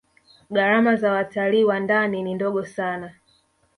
gharama za watalii wa ndani ni ndogo sana